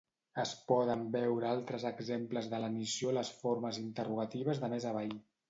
Es poden veure altres exemples de lenició a les formes interrogatives de més avall.